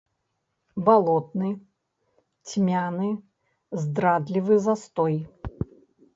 Балотны, цьмяны, здрадлівы застой!